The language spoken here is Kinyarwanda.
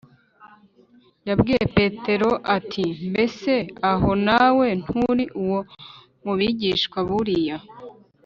yabwiye petero ati, “mbese aho nawe nturi uwo mu bigishwa b’uriya